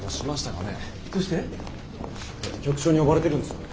だって局長に呼ばれてるんですよね？